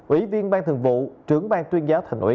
ủy viên bang thường vụ trưởng bang tuyên giáo thành ủy